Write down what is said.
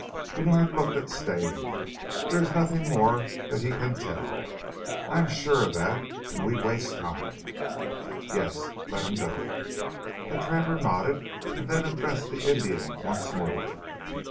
Bènard looked at Stane. "Dere ees nothing more dat he can tell. I sure of dat, an' we waste time." "Yes! Let him go." The trapper nodded and then addressed the Indian once more.